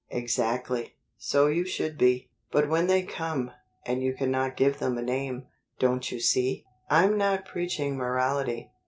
"Exactly. So you should be. But when they come, and you cannot give them a name don't you see? I'm not preaching morality.